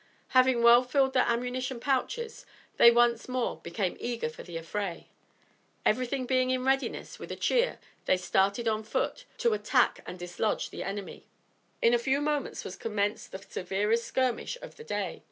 Having well filled their ammunition pouches they once more became eager for the affray. Everything being in readiness, with a cheer, they started on foot to attack and dislodge the enemy. In a few moments was commenced the severest skirmish of the day.